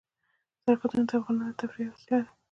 سرحدونه د افغانانو د تفریح یوه وسیله ده.